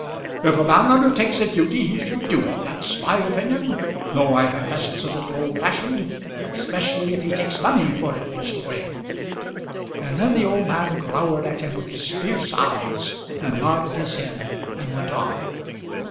"If a man undertakes a duty, he should do it. That's my opinion, though I confess it's a little old fashioned; especially if he takes money for it, Mr. Graham." And then the old man glowered at him with his fierce eyes, and nodded his head and went on.